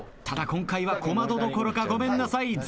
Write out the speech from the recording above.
ただ今回は小窓どころかごめんなさい。